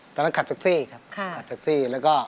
ตอนนั้นขับเซ็กซี่